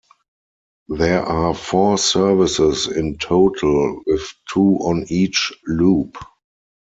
There are four services in total, with two on each loop.